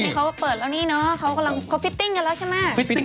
เขาเปิดแล้วนี่เนอะเขาพิตติ้งกันแล้วใช่ไหม